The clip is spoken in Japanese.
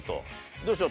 どうでしょう？